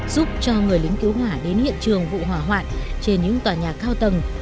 giúp cho người lính cứu hỏa đến hiện trường vụ hỏa hoạn trên những tòa nhà cao tầng